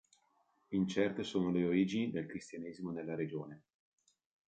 Incerte sono le origini del cristianesimo nella regione.